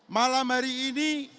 malam hari ini